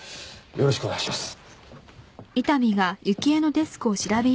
よろしくお願いします。